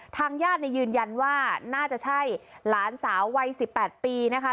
ทางญาติยืนยันว่าน่าจะใช่หลานสาววัย๑๘ปีนะคะ